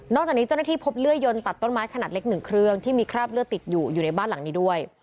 จากนี้เจ้าหน้าที่พบเลื่อยยนตัดต้นไม้ขนาดเล็ก๑เครื่องที่มีคราบเลือดติดอยู่อยู่ในบ้านหลังนี้ด้วย